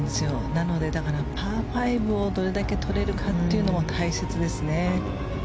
なので、パー５をどれだけとれるかというのも大切ですね。